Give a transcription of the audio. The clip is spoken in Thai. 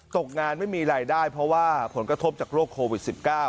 ตกงานไม่มีรายได้เพราะว่าผลกระทบจากโรคโควิด๑๙